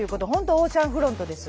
オーシャンフロントです。